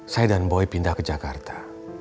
saya dan boy pindah ke jakarta